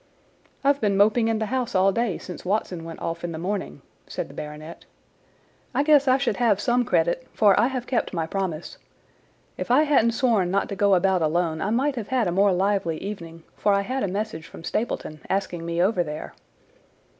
"I've been moping in the house all day since Watson went off in the morning," said the baronet. "I guess I should have some credit, for I have kept my promise. If I hadn't sworn not to go about alone I might have had a more lively evening, for I had a message from Stapleton asking me over there."